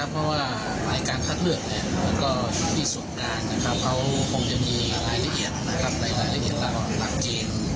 เป็นผู้พิจารณาแล้วก็มาแถลงข่าวให้สื่อมวลชน